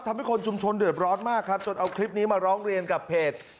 ทำให้คนชุมชนเดือดร้อนมากครับจนเอาคลิปนี้มาร้องเรียนกับเพจ